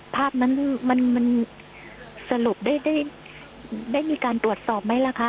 ภาพนั้นมันสรุปได้มีการตรวจสอบไหมล่ะคะ